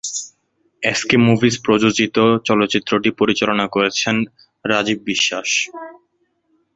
SK movies প্রযোজিত চলচ্চিত্রটি পরিচালনা করেছেন রাজিব বিশ্বাস।